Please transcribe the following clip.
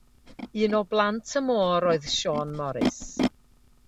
Un o blant y môr oedd Siôn Morys.